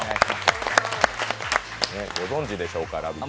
ご存じでしょうか、「ラヴィット！」。